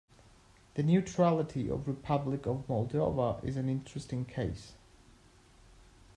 The neutrality of Republic of Moldova is an interesting case.